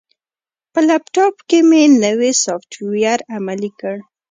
په لپټاپ کې مې نوی سافټویر عملي کړ.